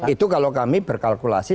itu kalau kami berkalkulasi